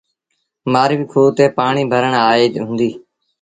مآرويٚ کوه تي پآڻيٚ ڀرڻ آئيٚ هُݩديٚ۔